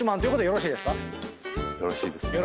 よろしいですね。